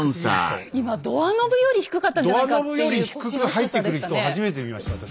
今ドアノブより低かったんじゃないかっていう腰の低さでしたね。